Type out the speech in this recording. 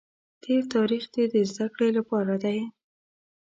تېر تاریخ دې د زده کړې لپاره دی.